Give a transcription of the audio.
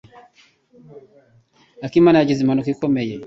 Akimana yagize impanuka ikomeye.